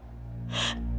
dan kamu juga adalah evita